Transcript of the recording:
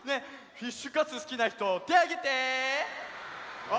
フィッシュカツすきなひとてをあげて！